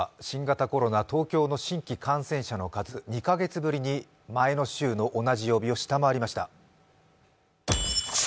新型コロナ東京の新規感染者の数２カ月ぶりに前の週の同じ曜日を下回りました。